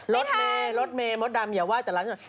รถเมย์รถเมย์มดดำอย่าไห้แต่ร้านหน่อย